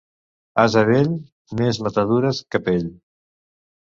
Ase vell, més matadures que pell.